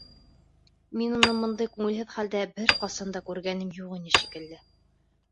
Мин уны бындай күңелһеҙ хәлдә бер ҡасан да күргәнем юҡ ине, шикелле.